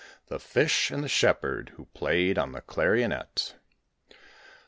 THE FISH AND THE SHEPHERD WHO PLAYED ON THE CLARIONET.